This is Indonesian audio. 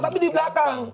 tapi di belakang